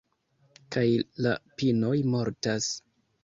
Kaj la pinoj mortas.